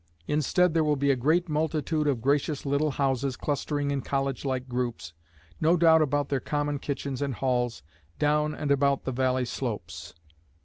Instead there will be a great multitude of gracious little houses clustering in college like groups, no doubt about their common kitchens and halls, down and about the valley slopes.